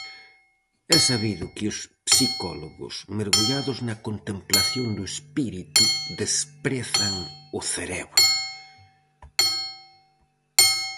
É sabido que os psicólogos, mergullados na contemplación do espírito, desprezan o cerebro.